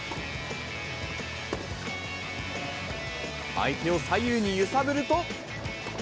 相手を左右に揺さぶると。